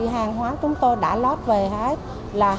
hàng hóa chúng tôi đã lót về hết